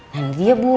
nanti dia bu